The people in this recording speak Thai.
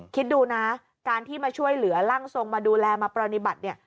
คิดดูนะการที่มาช่วยเหลือร่างทรงมาดูแลมาปฏิบัติเนี่ย